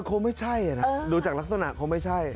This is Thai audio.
คงไม่ใช่นะดูจากลักษณะคงไม่ใช่